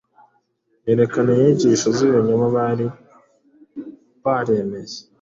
yerekana inyigisho z’ibinyoma bari baremeye